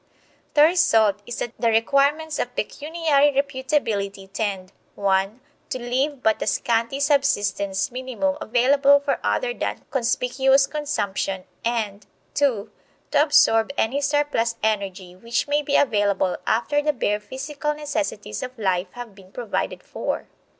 The result is that the requirements of pecuniary reputability tend (1) to leave but a scanty subsistence minimum available for other than conspicuous consumption, and (2) to absorb any surplus energy which may be available after the bare physical necessities of life have been provided for.